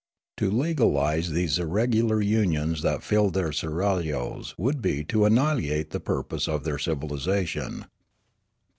To legalise these irregular unions that filled their seraglios would be to annihilate the purpose of their civilisation.